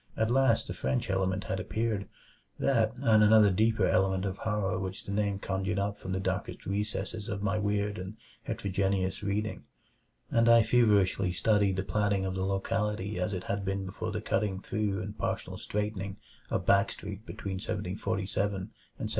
At last the French element had appeared that, and another deeper element of horror which the name conjured up from the darkest recesses of my weird and heterogeneous reading and I feverishly studied the platting of the locality as it had been before the cutting through and partial straightening of Back Street between 1747 and 1758.